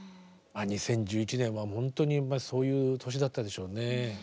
まあ２０１１年はもう本当にそういう年だったでしょうね。